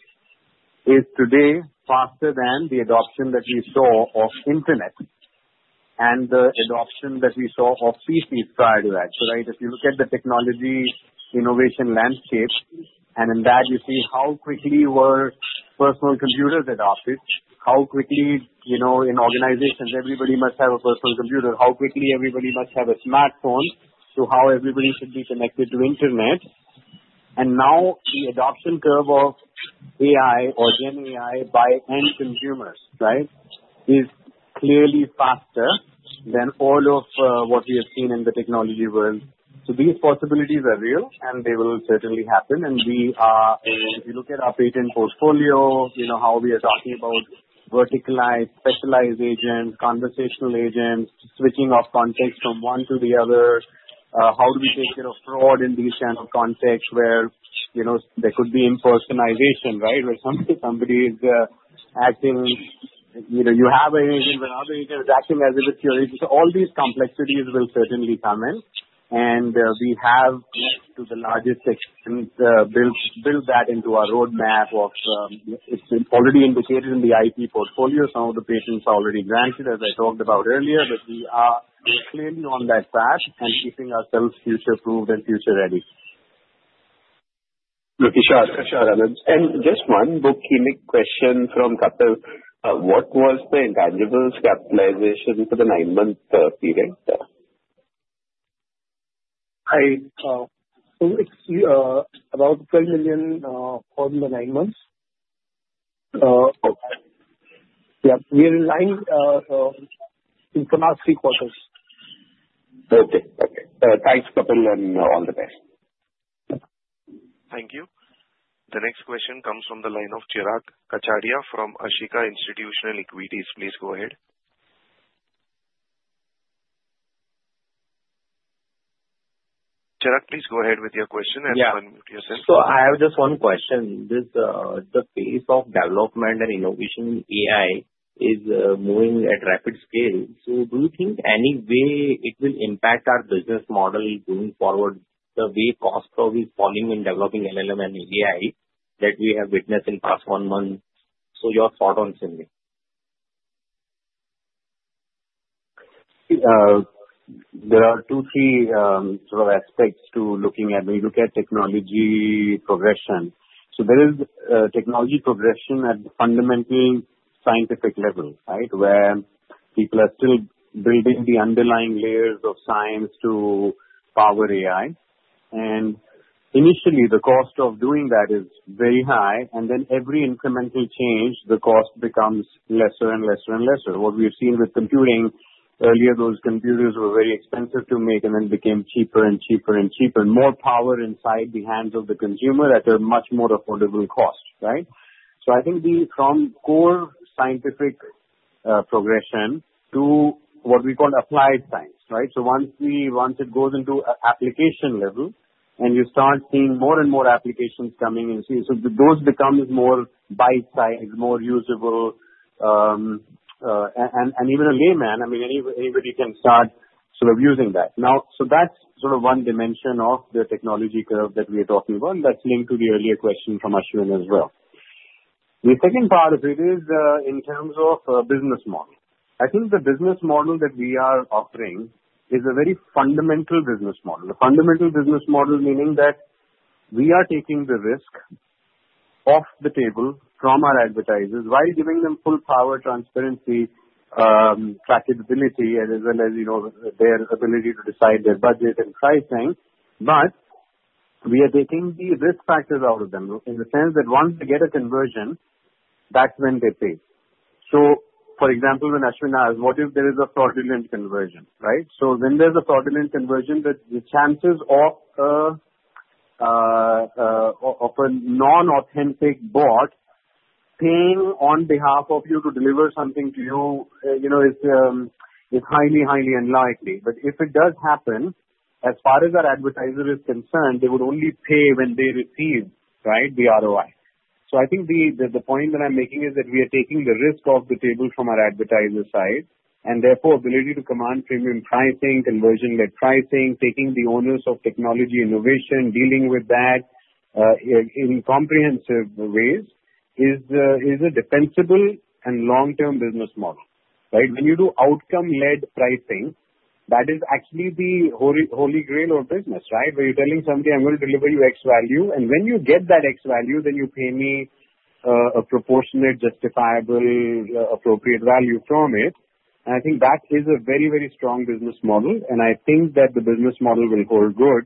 is today faster than the adoption that we saw of internet and the adoption that we saw of PCs prior to that, right? If you look at the technology innovation landscape, and in that, you see how quickly were personal computers adopted, how quickly in organizations, everybody must have a personal computer, how quickly everybody must have a smartphone, to how everybody should be connected to internet. And now the adoption curve of AI or Gen AI by end consumers, right, is clearly faster than all of what we have seen in the technology world. So these possibilities are real, and they will certainly happen. And if you look at our patent portfolio, how we are talking about verticalized, specialized agents, conversational agents, switching off context from one to the other, how do we take care of fraud in these kinds of contexts where there could be impersonation, right? Where somebody is acting you have an agent, but another agent is acting as if it's your agent. So all these complexities will certainly come in. And we have to the largest extent built that into our roadmap. It's already indicated in the IP portfolio. Some of the patents are already granted, as I talked about earlier, but we are clearly on that path and keeping ourselves future-proofed and future-ready.
Okay. Sure. Sure. And just one bookkeeping question from Kapil. What was the intangibles capitalization for the nine-month period?
About INR 12 million on the nine months. Yeah. We are in line for the last three quarters.
Okay. Okay. Thanks, Kapil, and all the best.
Thank you.
The next question comes from the line of Chirag Kachhadiya from Ashika Institutional Equities. Please go ahead. Chirag, please go ahead with your question and unmute yourself.
So I have just one question. The pace of development and innovation in AI is moving at rapid scale. So do you think in any way it will impact our business model going forward, the way costs are falling and developing LLM and AI that we have witnessed in the past one month? So your thoughts on that.
There are two or three sort of aspects to looking at. When you look at technology progression, so there is technology progression at the fundamental scientific level, right, where people are still building the underlying layers of science to power AI. And initially, the cost of doing that is very high. And then every incremental change, the cost becomes lesser and lesser and lesser. What we've seen with computing, earlier, those computers were very expensive to make and then became cheaper and cheaper and cheaper, more power inside the hands of the consumer at a much more affordable cost, right? So I think from core scientific progression to what we call applied science, right? So once it goes into application level and you start seeing more and more applications coming in, so those become more bite-sized, more usable, and even a layman, I mean, anybody can start sort of using that. Now, so that's sort of one dimension of the technology curve that we are talking about that's linked to the earlier question from Ashwin as well. The second part of it is in terms of business model. I think the business model that we are offering is a very fundamental business model. The fundamental business model meaning that we are taking the risk off the table from our advertisers while giving them full power, transparency, trackability, as well as their ability to decide their budget and pricing. But we are taking the risk factors out of them in the sense that once they get a conversion, that's when they pay. So for example, when Ashwin asked, "What if there is a fraudulent conversion?" right? So when there's a fraudulent conversion, the chances of a non-authentic bot paying on behalf of you to deliver something to you is highly, highly unlikely. But if it does happen, as far as our advertiser is concerned, they would only pay when they receive, right, the ROI. So I think the point that I'm making is that we are taking the risk off the table from our advertiser side and therefore ability to command premium pricing, conversion-led pricing, taking the onus of technology innovation, dealing with that in comprehensive ways is a defensible and long-term business model, right? When you do outcome-led pricing, that is actually the holy grail of business, right? Where you're telling somebody, "I'm going to deliver you X value." And when you get that X value, then you pay me a proportionate, justifiable, appropriate value from it. And I think that is a very, very strong business model. And I think that the business model will hold good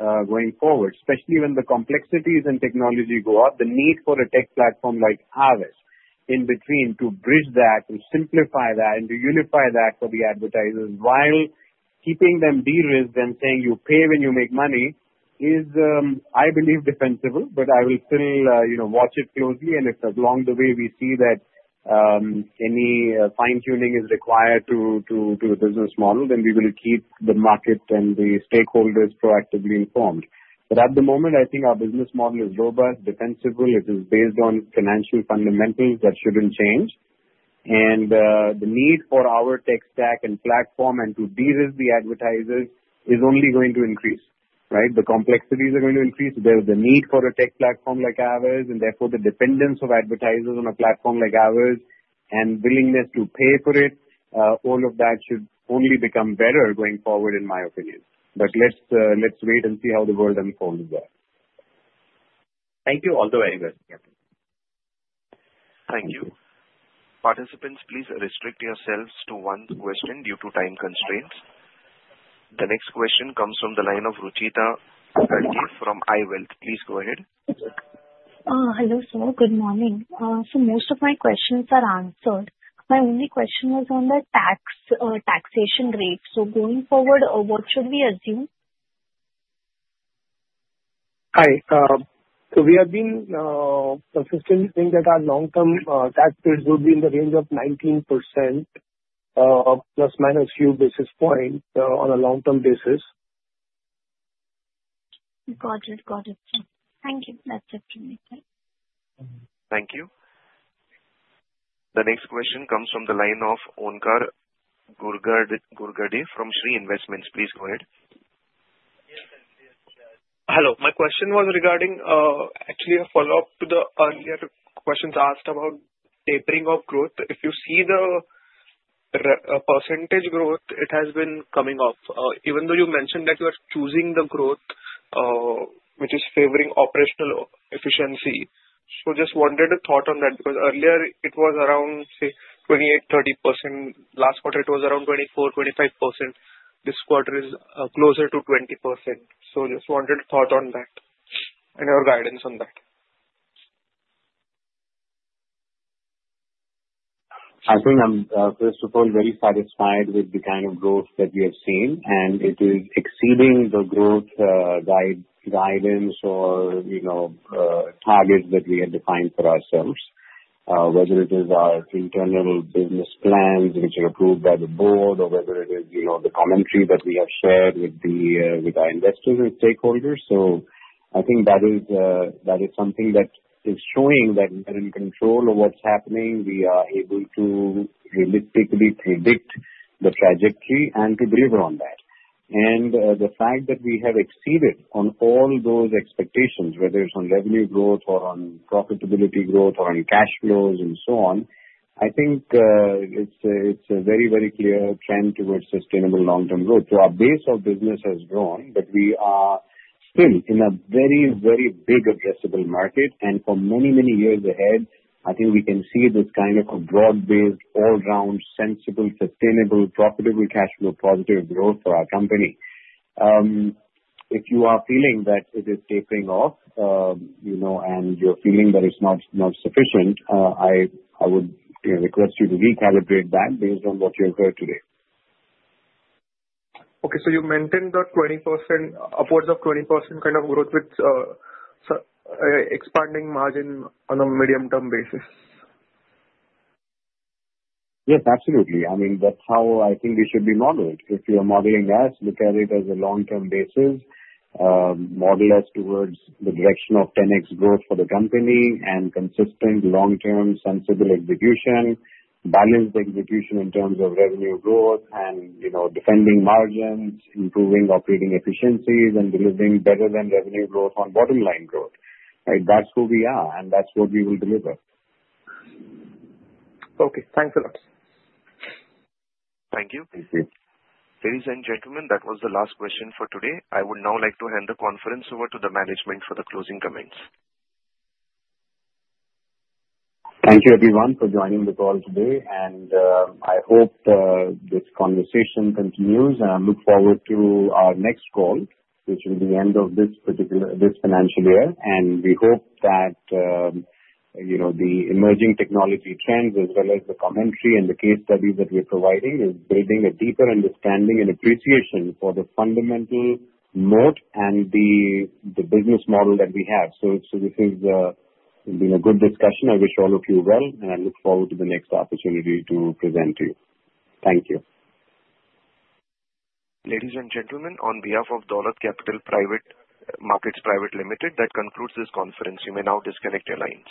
going forward, especially when the complexities and technology go up, the need for a tech platform like Affle in between to bridge that, to simplify that, and to unify that for the advertisers while keeping them de-risked and saying, "You pay when you make money," is, I believe, defensible. But I will still watch it closely. And if along the way we see that any fine-tuning is required to the business model, then we will keep the market and the stakeholders proactively informed. But at the moment, I think our business model is robust, defensible. It is based on financial fundamentals that shouldn't change. And the need for our tech stack and platform and to de-risk the advertisers is only going to increase, right? The complexities are going to increase. There is the need for a tech platform like Affle, and therefore the dependence of advertisers on a platform like Affle and willingness to pay for it, all of that should only become better going forward, in my opinion. But let's wait and see how the world unfolds there.
Thank you.
Thank you. Participants, please restrict yourselves to one question due to time constraints. The next question comes from the line of Ruchita from iWealth. Please go ahead.
Hello, sir. Good morning. So most of my questions are answered. My only question was on the taxation rate. So going forward, what should we assume?
Hi, so we have been consistently saying that our long-term tax rates will be in the range of 19% plus minus few basis points on a long-term basis.
Got it. Got it. Thank you. That's it from my side.
Thank you. The next question comes from the line of Onkar Ghugardare from Shree Investments. Please go ahead.
Hello. My question was regarding actually a follow-up to the earlier questions asked about tapering of growth. If you see the percentage growth, it has been coming up. Even though you mentioned that you are choosing the growth, which is favoring operational efficiency. So just wanted a thought on that because earlier it was around, say, 28-30%. Last quarter, it was around 24-25%. This quarter is closer to 20%. So just wanted a thought on that and your guidance on that.
I think I'm, first of all, very satisfied with the kind of growth that we have seen, and it is exceeding the growth guidance or targets that we have defined for ourselves, whether it is our internal business plans, which are approved by the board, or whether it is the commentary that we have shared with our investors and stakeholders. So I think that is something that is showing that we are in control of what's happening. We are able to realistically predict the trajectory and to deliver on that. And the fact that we have exceeded on all those expectations, whether it's on revenue growth or on profitability growth or on cash flows and so on, I think it's a very, very clear trend towards sustainable long-term growth. So our base of business has grown, but we are still in a very, very big addressable market. And for many, many years ahead, I think we can see this kind of a broad-based, all-round, sensible, sustainable, profitable cash flow, positive growth for our company. If you are feeling that it is tapering off and you're feeling that it's not sufficient, I would request you to recalibrate that based on what you've heard today.
Okay, so you maintained that 20% upwards of 20% kind of growth with expanding margin on a medium-term basis.
Yes, absolutely. I mean, that's how I think we should be modeled. If you're modeling us, look at it as a long-term basis, model us towards the direction of 10x growth for the company and consistent long-term sensible execution, balanced execution in terms of revenue growth and defending margins, improving operating efficiencies, and delivering better than revenue growth on bottom-line growth, right? That's who we are, and that's what we will deliver.
Okay. Thanks a lot.
Thank you.
Ladies and gentlemen, that was the last question for today. I would now like to hand the conference over to the management for the closing comments.
Thank you, everyone, for joining the call today, and I hope this conversation continues, and I look forward to our next call, which will be the end of this financial year, and we hope that the emerging technology trends, as well as the commentary and the case studies that we are providing, is building a deeper understanding and appreciation for the fundamental moat and the business model that we have, so this has been a good discussion. I wish all of you well, and I look forward to the next opportunity to present to you. Thank you.
Ladies and gentlemen, on behalf of Dolat Capital Market Private Limited, that concludes this conference. You may now disconnect your lines.